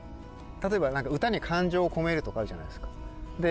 例えば歌に感情をこめるとかあるじゃないですか。